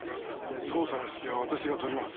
捜査の指揮は私が執ります。